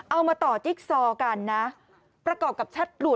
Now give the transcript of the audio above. เอามาต่อจิ๊กซอกันนะประกอบกับแชทหลุด